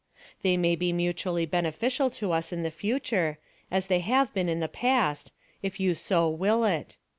They may be mutually beneficial to us in the future, as they have been in the past, if you so will it.